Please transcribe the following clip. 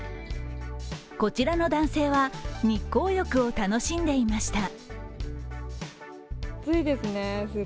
こちらの男性は、日光浴を楽しんでいました。